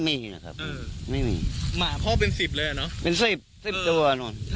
ไม่มีนะครับไม่มีหมาพ่อเป็นสิบเลยอ่ะเนอะเป็นสิบสิบตัวนอน